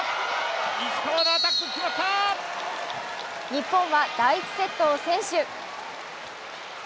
日本は第１セットを先取。